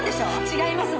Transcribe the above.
違います。